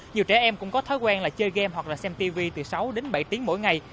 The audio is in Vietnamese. nhiều trẻ em cũng có thói quen là chơi game hoặc là xem tv từ sáu đến bảy tiếng mỗi ngày